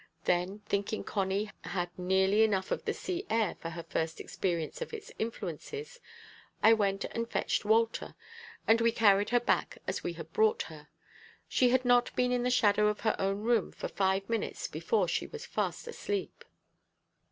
Then, thinking Connie had had nearly enough of the sea air for her first experience of its influences, I went and fetched Walter, and we carried her back as we had brought her. She had not been in the shadow of her own room for five minutes before she was fast asleep.